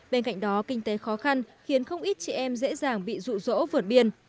bên cạnh đó kinh tế khó khăn khiến không ít chị em dễ dàng bị rụ rỗ vượt biên